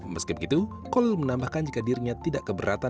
meski begitu kolil menambahkan jika dirinya tidak keberatan